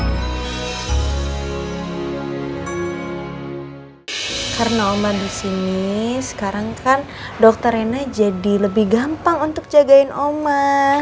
hai karena omah disini sekarang kan dokter rina jadi lebih gampang untuk jagain oma